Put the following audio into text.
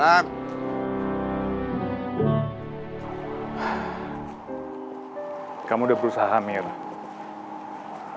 ya mungkin belum saatnya kamu ketemu sama suami kamu